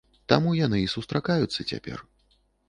Таму яны і сустракаюцца цяпер.